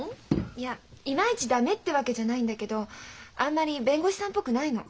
いやイマイチ駄目ってわけじゃないんだけどあんまり弁護士さんっぽくないの。